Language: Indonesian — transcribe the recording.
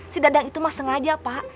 si dadang itu mah sengaja pak